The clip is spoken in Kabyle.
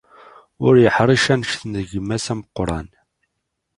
Ur yeḥric anect n gma-s ameqran.